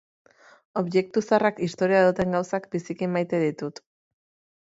Objektu zaharrak, historia duten gauzak, biziki maite ditut.